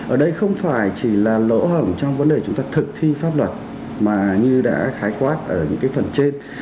ở đây không phải chỉ là lỗ hầm trong vấn đề chúng ta thực thi pháp luật mà như đã khái quát ở những cái phần trên